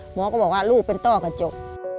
หมอก็บอกว่าลูกเป็นต้อกระจก